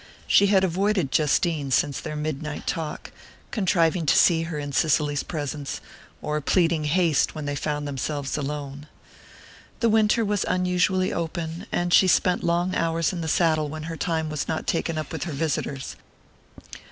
She had avoided Justine since their midnight talk, contriving to see her in Cicely's presence, or pleading haste when they found themselves alone. The winter was unusually open, and she spent long hours in the saddle when her time was not taken up with her visitors.